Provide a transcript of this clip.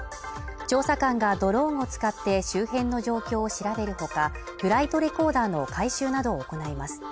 調査官がドローンを使って周辺の状況を調べるほかフライトレコーダーの回収などを行います